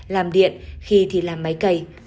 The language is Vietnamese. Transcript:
làm điện khi thì làm máy cây